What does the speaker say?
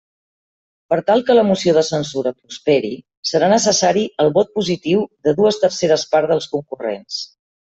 Per tal que la moció de censura prosperi, serà necessari el vot positiu de dues terceres parts dels concurrents.